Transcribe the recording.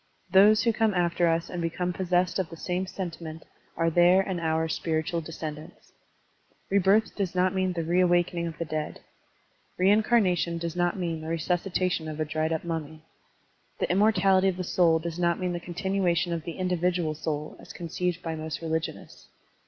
Those who come after us and become possessed of the same sentiment are their and our spiritual descend ants. Rebirth does not mean the reawakening of the dead. Reincarnation does not mean the resuscitation of a dried up mummy. The immor tality of the soul does not mean the continuation of the individual soul as conceived by most religionists.